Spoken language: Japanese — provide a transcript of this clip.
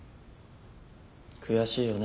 悔しいよね